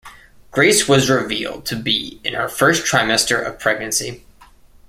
Grace was revealed to be in her first trimester of pregnancy.